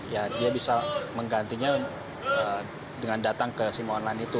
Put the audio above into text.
ya dia bisa menggantinya dengan datang ke sim online itu